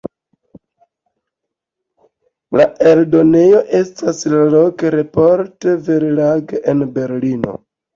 La eldonejo estas la "Lok-Report-Verlag" en Berlino.